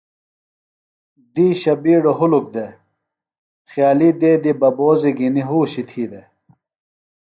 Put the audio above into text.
دیشہ بیڈو ہُلُک دے۔ خیالی دیدی ببوزیۡ گِھنی ہوشیۡ تھی دے۔